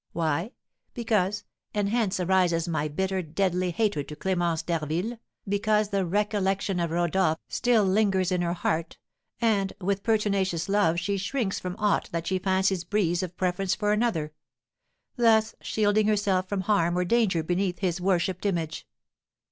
Why, because (and hence arises my bitter, deadly hatred to Clémence d'Harville) because the recollection of Rodolph still lingers in her heart, and, with pertinacious love she shrinks from aught that she fancies breathes of preference for another; thus shielding herself from harm or danger beneath his worshipped image.